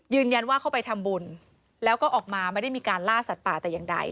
เข้าไปทำบุญแล้วก็ออกมาไม่ได้มีการล่าสัตว์ป่าแต่อย่างใด